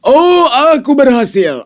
oh aku berhasil